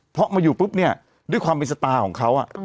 เพราะมาอยู่ปุ๊บเนี่ยด้วยความเป็นสตาร์ของเขา